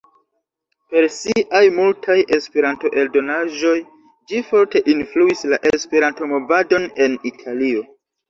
Per siaj multaj Esperanto-eldonaĵoj ĝi forte influis la Esperanto-Movadon en Italio.